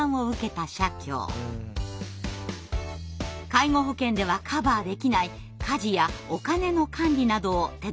介護保険ではカバーできない家事やお金の管理などを手助けしています。